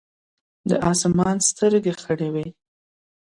د اسمان سترګې خړې وې ـ